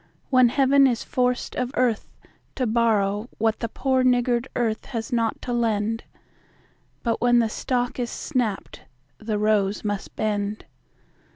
when Heaven is forced of earth to borrow What the poor niggard earth has not to lend; But when the stalk is snapt, the rose must bend.